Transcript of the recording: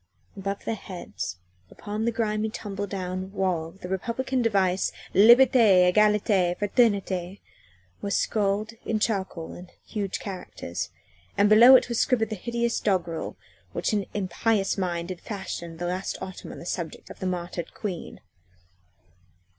Above their heads upon the grimy, tumble down wall the Republican device "Liberté! Egalité! Fraternité!" was scrawled in charcoal in huge characters, and below it was scribbled the hideous doggrel which an impious mind had fashioned last autumn on the subject of the martyred Queen.